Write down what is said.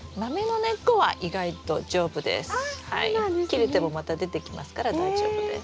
切れてもまた出てきますから大丈夫です。